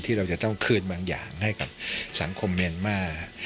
เราจะต้องคืนบางอย่างให้กับสังคมเมียนมาร์